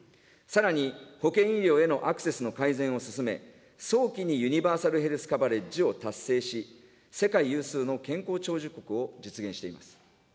さらに、保健医療へのアクセスの改善を進め、早期にユニバーサル・ヘルス・カバレッジを達成し、世界有数の健康長寿国を実現しています。